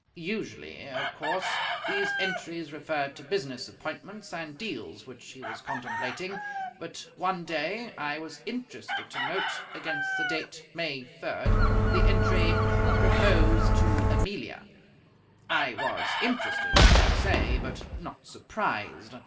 Usually, of course, these entries referred to business appointments and deals which he was contemplating, but one day I was interested to note, against the date May 3rd, the entry: "Propose to Amelia" I was interested, as I say, but not surprised.